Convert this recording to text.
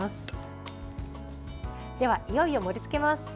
では、いよいよ盛りつけます。